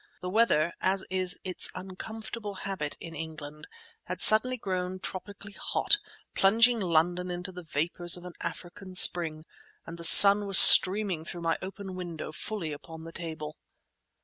The weather, as is its uncomfortable habit in England, had suddenly grown tropically hot, plunging London into the vapours of an African spring, and the sun was streaming through my open window fully upon the table.